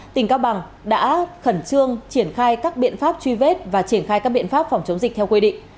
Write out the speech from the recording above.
tỉnh cao bằng đã khẩn trương triển khai các biện pháp truy vết và triển khai các biện pháp phòng chống dịch theo quy định